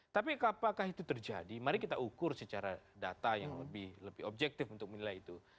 tapi apakah itu terjadi mari kita ukur secara data yang lebih objektif untuk menilai itu